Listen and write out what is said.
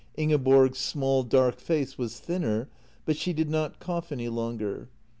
Ingeborg's small, dark face was thinner, but she did not cough any longer.